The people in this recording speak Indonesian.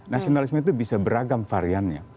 nasionalisme itu bisa beragam variannya